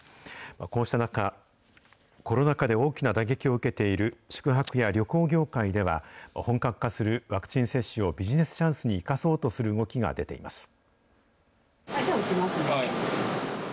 こうした中、コロナ禍で大きな打撃を受けている宿泊や旅行業界では、本格化するワクチン接種をビジネスチャンスに生かそうとする動きが出ています。